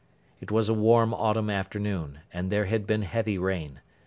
It was a warm autumn afternoon, and there had been heavy rain.